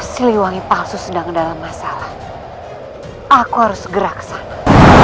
siliwangi palsu sedang dalam masalah aku harus gerak ke sana